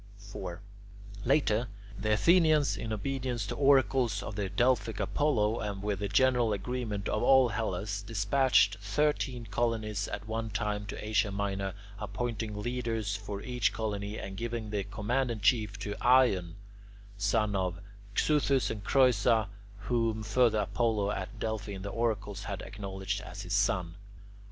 4. Later, the Athenians, in obedience to oracles of the Delphic Apollo, and with the general agreement of all Hellas, despatched thirteen colonies at one time to Asia Minor, appointing leaders for each colony and giving the command in chief to Ion, son of Xuthus and Creusa (whom further Apollo at Delphi in the oracles had acknowledged as his son).